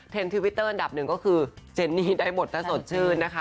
ทวิตเตอร์อันดับหนึ่งก็คือเจนนี่ได้บทถ้าสดชื่นนะคะ